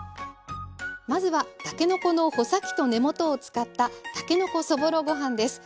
まずはたけのこの穂先と根元を使ったたけのこそぼろご飯です。